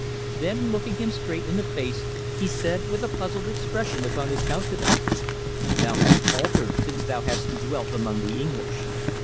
Then looking him straight in the face, he said with a puzzled expression upon his countenance: "Thou hast altered since thou hast dwelt among the English.